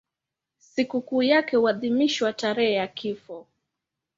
Sikukuu yake huadhimishwa tarehe ya kifo.